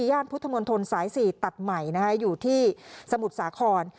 ย่านพุทธมณฑลสายสี่ตัดใหม่นะฮะอยู่ที่สมุทรสาคร